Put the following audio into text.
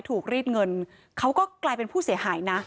รีดเงินเขาก็กลายเป็นผู้เสียหายนะ